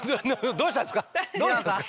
どうしたんですか？